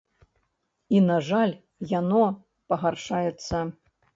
І, на жаль, яно пагаршаецца.